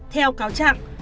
theo cáo chạm